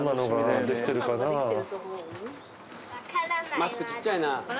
マスクちっちゃいな。